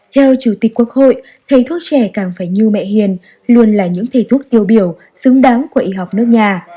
theo chủ tịch quốc hội thầy thuốc trẻ càng phải như mẹ hiền luôn là những thầy thuốc tiêu biểu xứng đáng của y học nước nhà